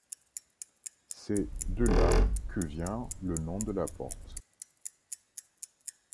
C'est de là que vient le nom de la porte.